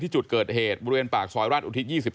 จุดเกิดเหตุบริเวณปากซอยราชอุทิศ๒๔